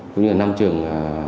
cũng như là năm trường